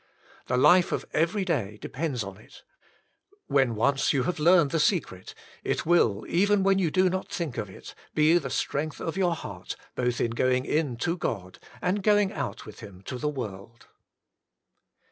The life of every day depends on it ; when once you have learned the secret, it will, even when you do not think of it, be the strength of your heart, both in going in to God, and going out with Him to the world.